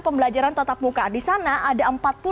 pembelajaran tetap muka di sana ada